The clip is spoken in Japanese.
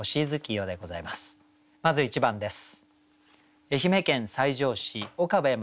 まず１番です。